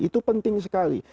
itu penting sekali